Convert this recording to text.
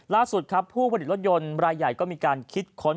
ล่าสุดครับผู้ผลิตรถยนต์รายใหญ่ก็มีการคิดค้น